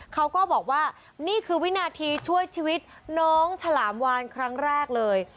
เขาก็บอกว่านี่คือวินาทีช่วยชีวิตน้องฉลามวานครั้งแรกเลย